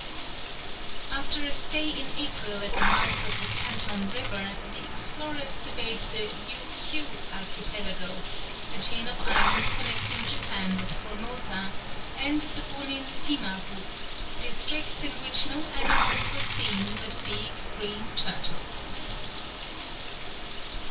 After a stay in April at the mouth of the Canton River, the explorers surveyed the Liu Kiu archipelago, a chain of islands connecting Japan with Formosa, and the Bonin Sima group, districts in which no animals were seen but big green turtles.